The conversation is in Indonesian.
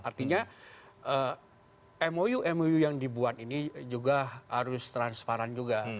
artinya mou mou yang dibuat ini juga harus transparan juga